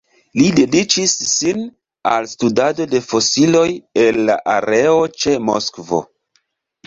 Li dediĉis sin al studado de fosilioj el la areo ĉe Moskvo.